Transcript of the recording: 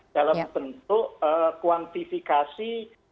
dalam bentuk kuantifikasi